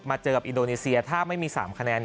เจอกับอินโดนีเซียถ้าไม่มี๓คะแนน